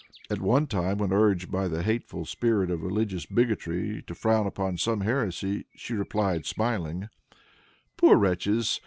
At one time, when urged by the hateful spirit of religious bigotry to frown upon some heresy, she replied smiling, "Poor wretches!